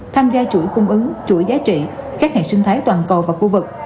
tham gia chuỗi cung ứng chuỗi giá trị các hệ sinh thái toàn cầu và khu vực